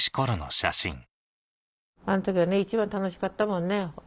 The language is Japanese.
あの時は一番楽しかったもんね。